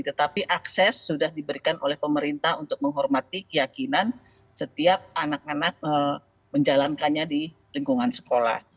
tetapi akses sudah diberikan oleh pemerintah untuk menghormati keyakinan setiap anak anak menjalankannya di lingkungan sekolah